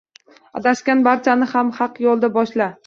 Adashgan barchani haq yo‘lga boshla